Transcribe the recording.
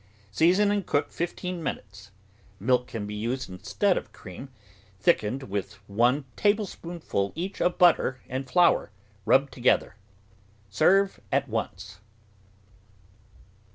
Season and cook fifteen minutes. Milk can be used instead of cream, thick ened with one tablespoonful each of butter and flour rubbed together. Serve at once.